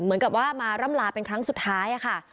เหมือนกับว่ามาร่ำลาเป็นครั้งสุดท้ายค่ะ